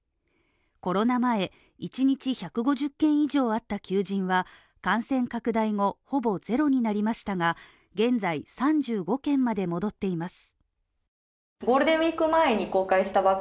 コロナ前、１日１５０件以上あった求人は感染拡大後、ほぼゼロになりましたが現在３５件まで戻っています。